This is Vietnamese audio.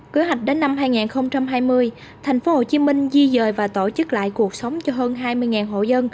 cứa hạch đến năm hai nghìn hai mươi thành phố hồ chí minh di dời và tổ chức lại cuộc sống cho hơn hai mươi hộ dân